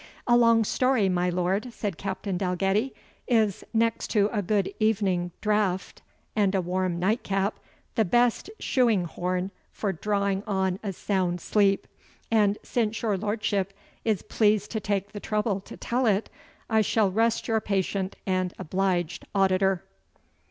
"A long story, my lord," said Captain Dalgetty, "is, next to a good evening draught and a warm nightcap, the best shoeinghorn for drawing on a sound sleep. And since your lordship is pleased to take the trouble to tell it, I shall rest your patient and obliged auditor."